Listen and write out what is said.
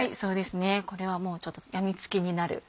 これはもうちょっと病みつきになる。